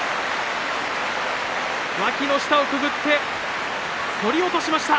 わきの下をくぐってそり落としました。